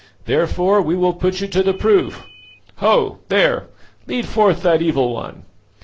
Therefore we will put you to the proof. Ho! there, lead forth that evil one.